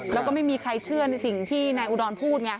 แล้วก็ไม่มีใครเชื่อในสิ่งที่นายอุดรพูดไง